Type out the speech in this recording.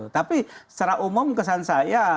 tapi secara umum kesan saya